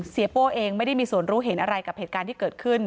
โป้เองไม่ได้มีส่วนรู้เห็นอะไรกับเหตุการณ์ที่เกิดขึ้น